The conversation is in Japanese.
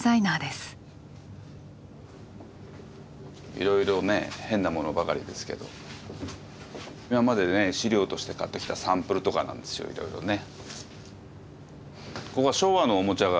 いろいろね変なものばかりですけど今までね資料として買ってきたサンプルとかなんですよいろいろね。